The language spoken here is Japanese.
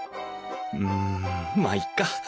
うんまあいっか。